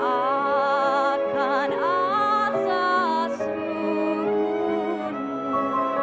akan atas sukunmu